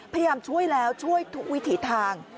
พยายามช่วยแล้วช่วยทุกวิถีทาง